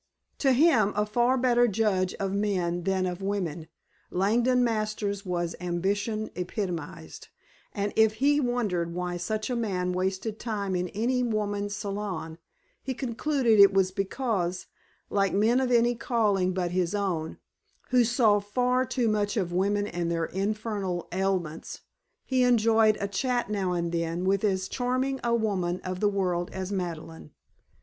To him, a far better judge of men than of women, Langdon Masters was ambition epitomized, and if he wondered why such a man wasted time in any woman's salon, he concluded it was because, like men of any calling but his own (who saw far too much of women and their infernal ailments) he enjoyed a chat now and then with as charming a woman of the world as Madeleine.